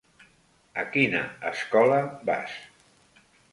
A quina escola vas?